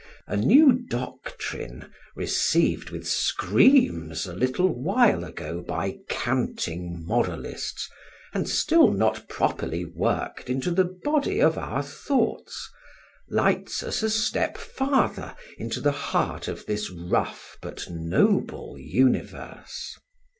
A new doctrine, received with screams a little while ago by canting moralists, and still not properly worked into the body of our thoughts, lights us a step farther into the heart of this rough but noble universe.